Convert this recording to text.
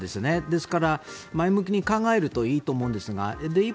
ですから、前向きに考えるといいと思うんですが。